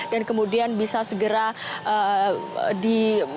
dan kemudian bisa segera di